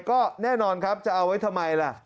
ก็แน่นอนครับจะเอาไว้ทำไมล่ะ